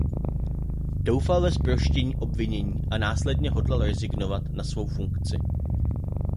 Doufal ve zproštění obvinění a následně hodlal rezignovat na svou funkci.